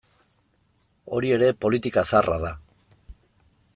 Hori ere politika zaharra da.